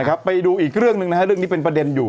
ก็ใส่คุณจะหลุด